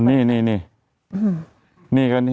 นนี่นะคะ